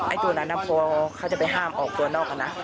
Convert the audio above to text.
ไอ้ตัวนั้นน่ะพอเขาจะไปห้ามออกตัวนอกอ่ะนะ